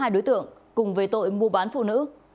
hai đối tượng cùng về tội mua bán phụ nữ